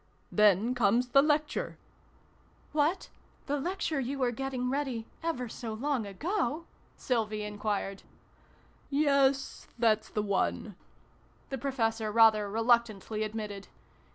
Then comes the Lecture " What ? The Lecture you were getting ready ever so long ago ?" Sylvie enquired. " Yes that's the one," the Professor rather reluctantly admitted.